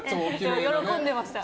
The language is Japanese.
喜んでました。